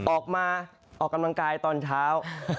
ออกมาออกกำลังกายตอนเช้า